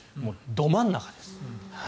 ど真ん中です。